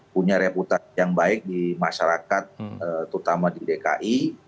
punya reputasi yang baik di masyarakat terutama di dki